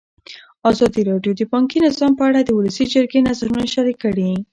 ازادي راډیو د بانکي نظام په اړه د ولسي جرګې نظرونه شریک کړي.